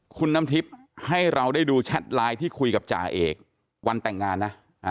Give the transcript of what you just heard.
คุณน้ำทิพย์ให้เราดูแชตไลน์ที่กับปึ๊บกรับจริงวันแต่งงานนะ